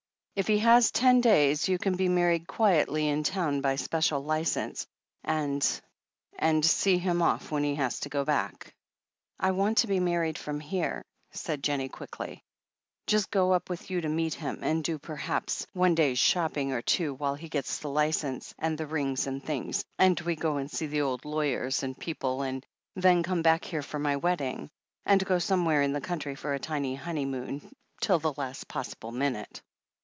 "If he has ten days you can be married quietly in town by special licence, and — ^and see him off when he has to go back." "I want to be married from here," said Jennie quickly. "J^st go up with you to meet him, and do, perhaps, one day's shopping or two — while he gets the licence, and the ring and things, and we go and see the 424 THE HEEL OF ACHILLES 425 old lawyers and people — ^and then come back here for my wedding, and go somewhere in the country for a tiny honeymoon, till the last possible minute."